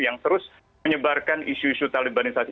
yang terus menyebarkan isu isu talibanisasi